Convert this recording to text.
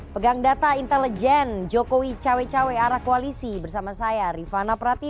pegang data intelijen jokowi cawe cawe arah koalisi bersama saya rifana prati